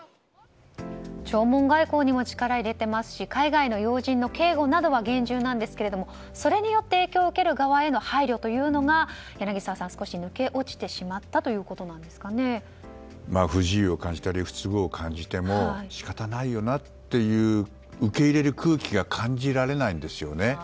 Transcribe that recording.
弔問外交にも力を入れていますし海外の要人の警護などは厳重なんですがそれによって影響を受ける側への配慮というのが柳澤さん少し抜け落ちてしまった不自由を感じたり不都合を感じても仕方ないよなっていう受け入れる空気が感じられないんですよね。